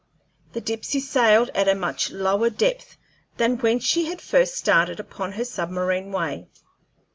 The Dipsey sailed at a much lower depth than when she had first started upon her submarine way.